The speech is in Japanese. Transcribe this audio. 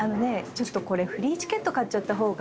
ちょっとこれフリーチケット買っちゃった方が。